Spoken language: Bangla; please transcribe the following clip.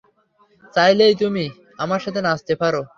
চাইলে তুমিও আমার সাথে নাচতে পারো।